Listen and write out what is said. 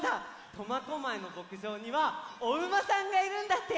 苫小牧のぼくじょうにはおうまさんがいるんだって。